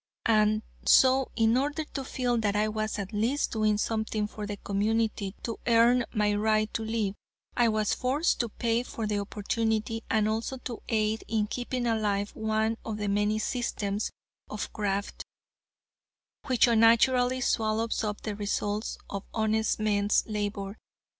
And so in order to feel that I was at least doing something for the community to earn my right to live, I was forced to pay for the opportunity and also to aid in keeping alive one of the many systems of graft, which unnaturally swallows up the results of honest men's labor.